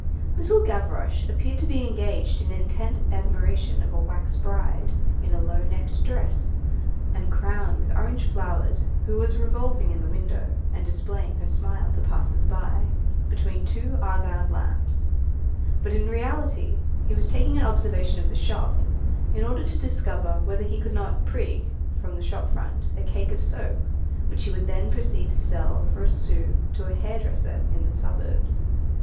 Little Gavroche appeared to be engaged in intent admiration of a wax bride, in a low necked dress, and crowned with orange flowers, who was revolving in the window, and displaying her smile to passers by, between two argand lamps; but in reality, he was taking an observation of the shop, in order to discover whether he could not "prig" from the shop front a cake of soap, which he would then proceed to sell for a sou to a "hair dresser" in the suburbs.